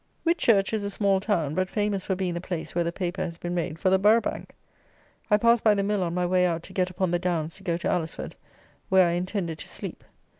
Whitchurch is a small town, but famous for being the place where the paper has been made for the Borough Bank! I passed by the mill on my way out to get upon the downs to go to Alresford, where I intended to sleep.